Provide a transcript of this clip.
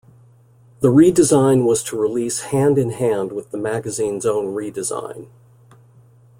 The redesign was to release hand-in-hand with the magazine's own redesign.